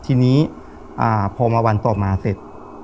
ทีนี้พอมาวันต่อมาเสร็จ